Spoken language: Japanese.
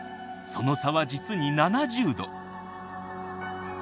その差は実に７０℃！